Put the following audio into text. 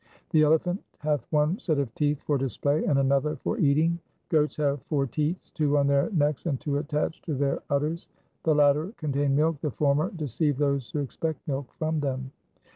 The elephant hath one set of teeth for display and another for eating. Goats have four teats, two on their necks and two attached to their udders. The latter contain milk, the former deceive those who expect milk from them.